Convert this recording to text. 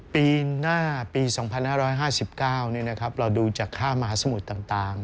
ปีหน้าปี๒๕๕๙เราดูจากค่ามหาสมุทรต่าง